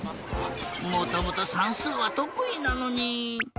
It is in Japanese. もともとさんすうはとくいなのに。